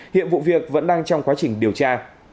hiện vụ việc vẫn đang trong quá trình điều tra